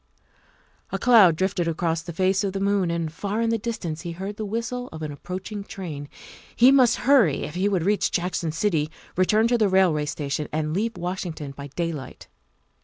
A cloud drifted across the face of the moon, and far in the distance he heard the whistle of an approaching train. He must hurry if he would reach Jackson City, return to the railway station, and leave Washington by daylight.